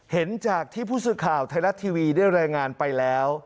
เห็นจากที่ผู้สื่อข่าวไทยรัฐทีวีได้รายงานไปแล้ว